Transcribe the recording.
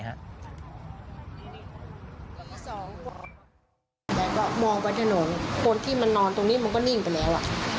แต่ก็มองไปถนนคนที่มันนอนตรงนี้มันก็นิ่งไปแล้ว